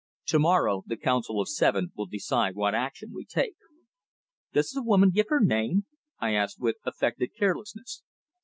To morrow the Council of Seven will decide what action we take." "Does the woman give her name?" I asked with affected carelessness.